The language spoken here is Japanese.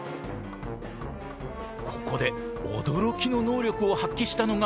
ここで驚きの能力を発揮したのが。